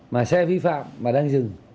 mà xe vi phạm mà đang dừng